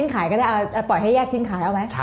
ไม่ใช่ไม่ใช่ไม่ใช่ไม่ใช่ไม่ใช่ไม่ใช่